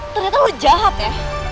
ternyata lo jahat ya